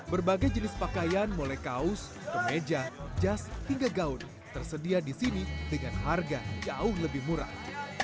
berbagai jenis pakaian mulai kaos kemeja jas hingga gaun tersedia di sini dengan harga jauh lebih murah